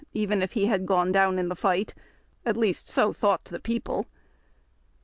19 even if lie had o one down in the tio'ht, — at least so thous'lit the people.